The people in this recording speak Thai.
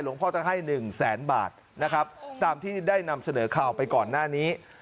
พ่อจะให้หนึ่งแสนบาทนะครับตามที่ได้นำเสนอข่าวไปก่อนหน้านี้